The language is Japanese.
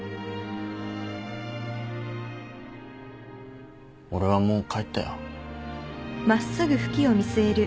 俺はもう帰ったよ。